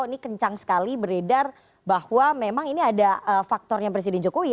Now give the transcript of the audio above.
ini kencang sekali beredar bahwa memang ini ada faktornya presiden jokowi